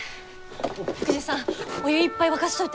福治さんお湯いっぱい沸かしといて。